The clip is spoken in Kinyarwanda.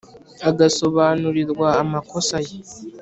agasobanurirwa amakosa ye,